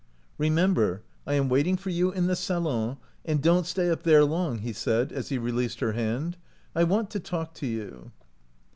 " Remember, I am waiting for you in the salon, and don't stay up there long," he said as he released her hand. " I want to talk to you."